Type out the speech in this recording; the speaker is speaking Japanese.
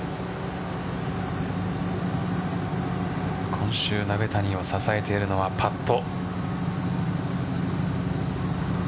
今週、鍋谷を支えているのはパット。